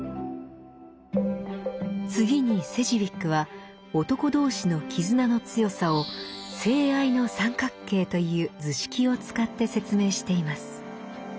次にセジウィックは男同士の絆の強さを「性愛の三角形」という図式を使って説明しています。